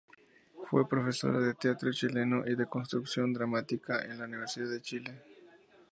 Fue profesora de Teatro Chileno y de Construcción Dramática en la Universidad de Chile.